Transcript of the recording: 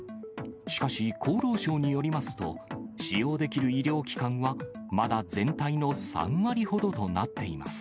しかし、厚労省によりますと、使用できる医療機関はまだ全体の３割ほどとなっています。